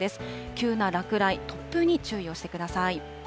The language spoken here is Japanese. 急な落雷、突風に注意をしてください。